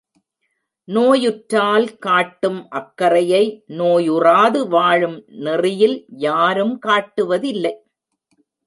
நோயுற்றால் காட்டும் அக்கறையை நோயுறாது வாழும் நெறியில் யாரும் காட்டுவதில்லை.